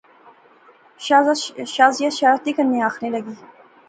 شازیہ شرارتی کنے آخنے لاغی